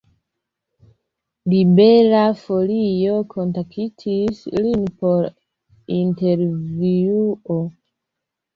Libera Folio kontaktis lin por intervjuo.